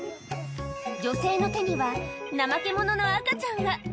女性の手にはナマケモノの赤ちゃんが。